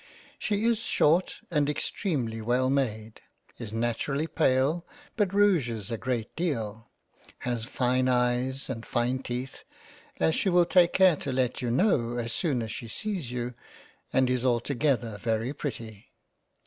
She is short, and extremely well made ; is naturally pale, but rouges a good deal ; has fine eyes, and fine teeth, as she will take care to let you know as soon as she sees you, and is altogether very pretty.